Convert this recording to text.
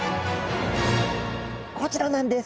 こちらなんです！